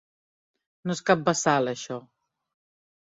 No és cap bassal, això.